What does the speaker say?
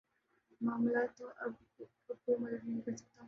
معاملہ تو اب کوئی مدد نہیں کر سکتا